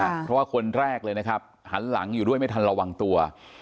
เพราะว่าคนแรกเลยนะครับหันหลังอยู่ด้วยไม่ทันระวังตัว